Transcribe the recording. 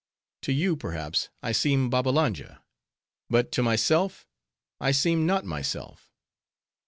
To you, perhaps, I seem Babbalanja; but to myself, I seem not myself.